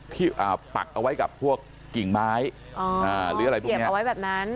ที่อ่าปักเอาไว้กับพวกกิ่งไม้อ่าหรืออะไรตรงเนี้ยเสียบเอาไว้แบบนั้น